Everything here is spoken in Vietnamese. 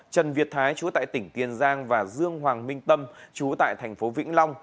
trần việt thái trú tại tỉnh tiên giang và dương hoàng minh tâm trú tại thành phố vĩnh long